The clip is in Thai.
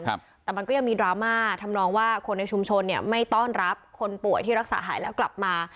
ครับแต่มันก็ยังมีดราม่าทำนองว่าคนในชุมชนเนี่ยไม่ต้อนรับคนป่วยที่รักษาหายแล้วกลับมา